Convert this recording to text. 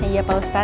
iya pak ustadz